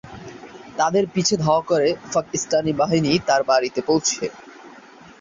তাদের পিছে ধাওয়া করে পাকিস্তানি বাহিনী তার বাড়িতে পৌঁছে।